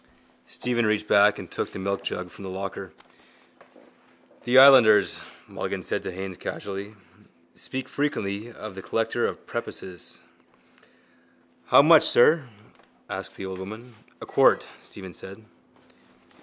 Stephen reached back and took the milkjug from the locker. —The islanders, Mulligan said to Haines casually, speak frequently of the collector of prepuces. —How much, sir? asked the old woman. —A quart, Stephen said.